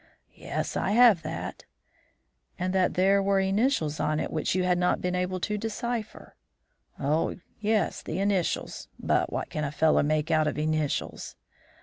"Yes, I have that." "And that there were initials on it which you had not been able to decipher?" "Oh, yes, initials; but what can a fellow make out of initials?"